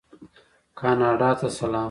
کاناډا ته سلام.